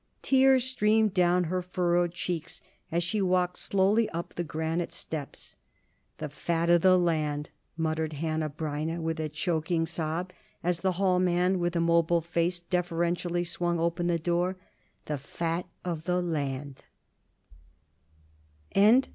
Tears streamed down her furrowed cheeks as she walked slowly up the granite steps. "The fat of the land!" muttered Hanneh Breineh, with a choking sob as the hall man with immobile face deferentially swung open the door "the fat of the land!"